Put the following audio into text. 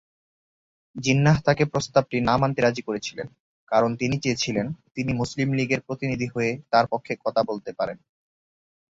জিন্নাহ তাকে প্রস্তাবটি না মানতে রাজি করেছিলেন, কারণ তিনি চেয়েছিলেন তিনি মুসলিম লীগের প্রতিনিধি হয়ে তাঁর পক্ষে কথা বলতে পারেন।